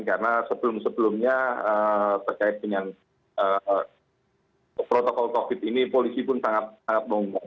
karena sebelum sebelumnya berkait dengan protokol covid ini polisi pun sangat mengunggah